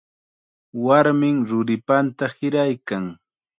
Warmim ruripanta hiraykan.